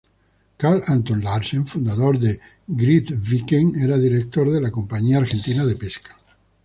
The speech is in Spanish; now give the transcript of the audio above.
Carl Anton Larsen, fundador de Grytviken, era director de la Compañía Argentina de Pesca.